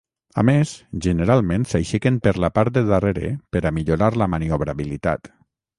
A més, generalment s'aixequen per la part de darrere per a millorar la maniobrabilitat.